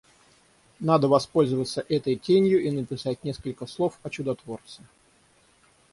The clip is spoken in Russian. Надо воспользоваться этой тенью и написать несколько слов о чудотворце.